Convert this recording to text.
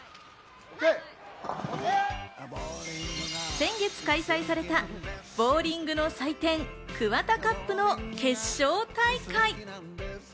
先月開催されたボウリングの祭典・ＫＵＷＡＴＡＣＵＰの決勝大会。